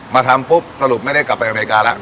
มาทำปุ๊บสรุปไม่ได้กลับไปอเมริกาแล้ว